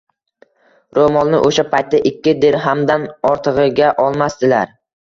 Ro`molni o`sha paytda ikki dirhamdan ortig`iga olmasdilar